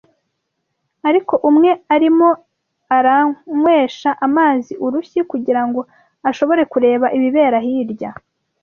Ariko umwe arimo aranywesha amazi urushyi kugira ngo ashobore kureba ibibera hirya